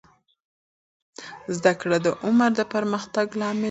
زده کړه د عمر د پرمختګ لامل ګرځي.